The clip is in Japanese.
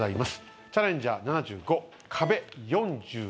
チャレンジャー７５壁４１。